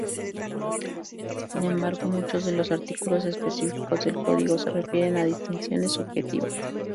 Sin embargo, muchos de los artículos específicos del Código se refieren a distinciones subjetivas.